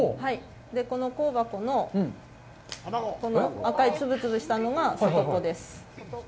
この香箱の赤いつぶつぶしたのが外子です。